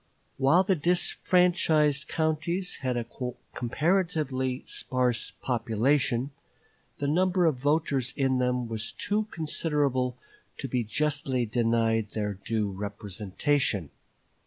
While the disfranchised counties had a comparatively sparse population, the number of voters in them was too considerable to be justly denied their due representation.